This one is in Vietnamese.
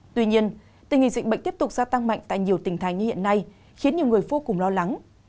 tuy nhiên tình hình dịch bệnh tiếp tục gia tăng mạnh tại nhiều tỉnh thành như hiện nay khiến nhiều người vô cùng lo lắng